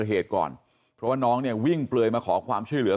เหตุก่อนเพราะว่าน้องเนี่ยวิ่งเปลือยมาขอความช่วยเหลือ